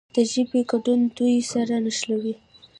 د ژبې ګډون دوی سره نښلوي.